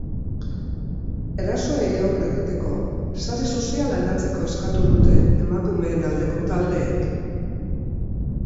Erasoei aurre egiteko sare soziala eratzeko eskatu dute emakumeen aldeko taldeek.